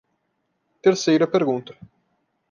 Terceira pergunta